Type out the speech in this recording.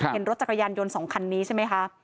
เห็นรถจักรยานยนต์๒คันนี้ใช่ไหมคะ